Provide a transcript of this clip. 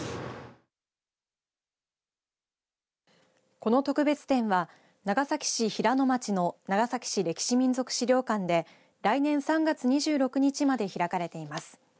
この特別展は長崎市平野町の長崎市歴史民俗資料館で来年３月２６日まで開かれています。